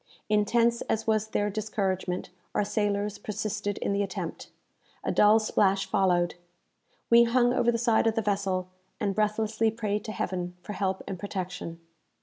Intense as was their discouragement, our sailors persisted in the attempt. A dull splash followed. We hung over the side of the vessel, and breathlessly prayed to Heaven for help and protection.